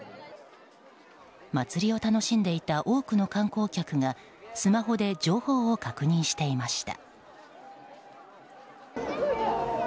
祭りを楽しんでいた多くの観光客がスマホで情報を確認していました。